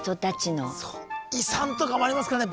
遺産とかもありますからね